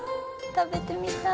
食べてみたい。